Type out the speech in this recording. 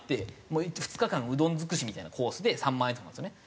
もう２日間うどん尽くしみたいなコースで３万円とかなんですよね。